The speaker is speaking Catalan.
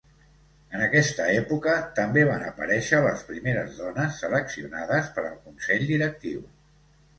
En aquesta època també van aparèixer les primeres dones seleccionades per al Consell Directiu.